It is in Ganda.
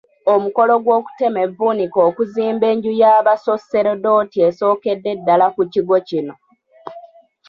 Omukolo gw’okutema evvuunike okuzimba enju y’abasooserodooti esookedde ddala ku kigo kino.